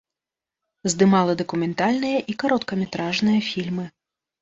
Здымала дакументальныя і кароткаметражныя фільмы.